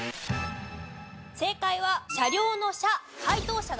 正解は車両の「車」。